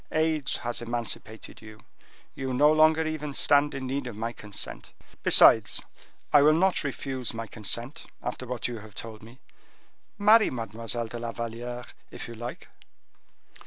Age has emancipated you; you no longer even stand in need of my consent. Besides, I will not refuse my consent after what you have told me. Marry Mademoiselle de la Valliere, if you like."